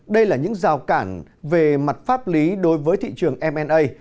đây là những rào cản về mặt pháp lý đối với thị trường m a